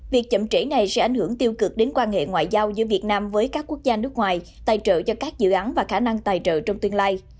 việc chậm trễ này sẽ ảnh hưởng tiêu cực đến quan hệ ngoại giao giữa việt nam với các quốc gia nước ngoài tài trợ cho các dự án và khả năng tài trợ trong tương lai